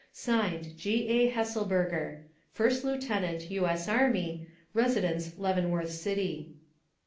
(Signed) G. A. HESSELBERGER, First Lieutenant .U. S. Army. Res. Leavenworth City.